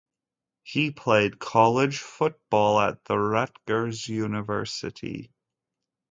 He played college football at the Rutgers University.